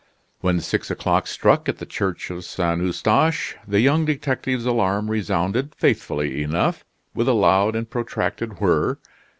When six o'clock struck at the church of St. Eustache, the young detective's alarm resounded faithfully enough, with a loud and protracted whir.